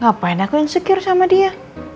ngapain aku insecure sama dia